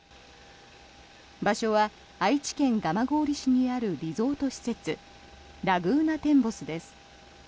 場所は愛知県蒲郡市にあるリゾート施設ラグーナテンボスです。